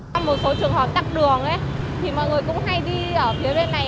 trong một số trường hợp tắt đường mọi người cũng hay đi ở phía bên này